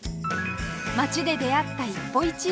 街で出会った一歩一会